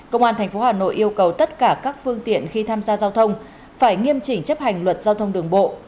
công an tp hà nội yêu cầu tất cả các phương tiện khi tham gia giao thông phải nghiêm chỉnh chấp hành luật giao thông đường bộ